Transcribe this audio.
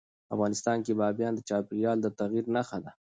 افغانستان کې بامیان د چاپېریال د تغیر نښه ده.